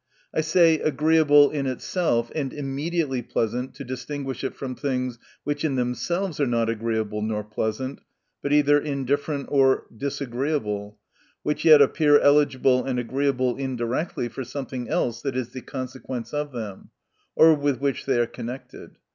I say agreeable in itself, and immediately pleasant, to distinguish it from things which in themselves are not agreeable nor pleasant, but either in different or disagreeable, which yet appear eligible and agreeable indirectly for something else that is the consequence of them, or with which they are con nected.